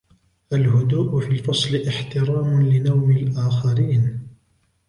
الهدوء في الفصل احترام لنوم الآخرين.